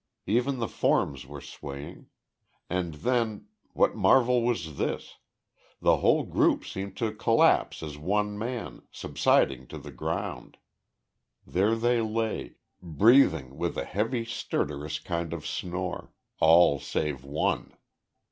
Even the forms were swaying. And then what marvel was this? The whole group seemed to collapse as one man, subsiding to the ground. There they lay, breathing with a heavy, stertorous kind of snore. All save one.